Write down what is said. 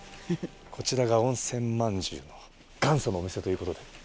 こちらが温泉まんじゅうの元祖のお店ということで。